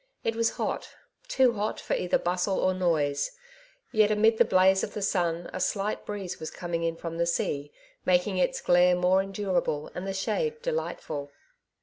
It was hot, too hot for either bustle or noise, yet amid the blaze of the sun a slight breeze was coming in from the sea, making its glare more endurable and the shade delightful.